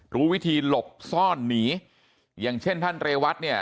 รู้วิธีหลบซ่อนหนีอย่างเช่นท่านเรวัตเนี่ย